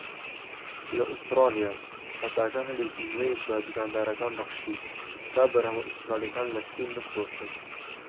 لە ئوستراڵیا، پەتاکە هەلێکی نوێی بە دوکاندارەکان بەخشی تا بەرهەمە ئوستڕاڵیەکان لە سین بفرۆشتن.